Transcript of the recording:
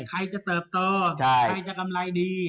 ใครจะเติบโตใครจะกำไรดี